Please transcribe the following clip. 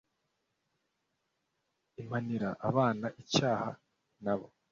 l mpanira abana icyaha nabo